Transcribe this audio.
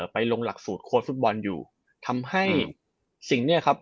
ไปลงหลักสูตรโค้ชฟุตบอลอยู่ทำให้สิ่งเนี้ยครับ